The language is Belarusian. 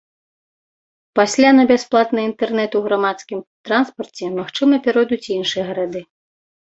Пасля на бясплатны інтэрнэт у грамадскім транспарце, магчыма, пяройдуць і іншыя гарады.